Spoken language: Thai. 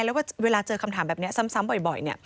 แล้วก็เวลาเจอคำถามแบบนี้ซ้ำบ่อย